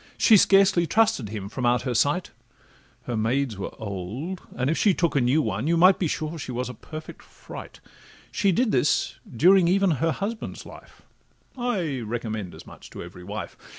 She scarcely trusted him from out her sight; Her maids were old, and if she took a new one, You might be sure she was a perfect fright; She did this during even her husband's life— I recommend as much to every wife.